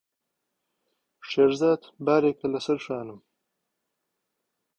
شێرزاد بارێکە لەسەر شانم.